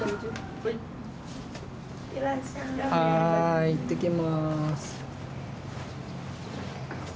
はいいってきます。